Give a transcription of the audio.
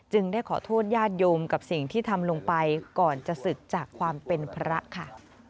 ได้ขอโทษญาติโยมกับสิ่งที่ทำลงไปก่อนจะศึกจากความเป็นพระค่ะ